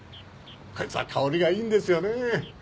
こいつは香りがいいんですよねハハハ。